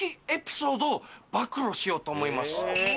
エピソードを暴露しようと思います。